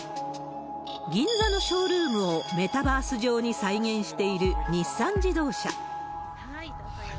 銀座のショールームをメタバース上に再現している日産自動車。